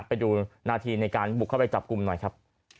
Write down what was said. ไปดูนาทีในการบุกเข้าไปจับกลุ่มหน่อยครับ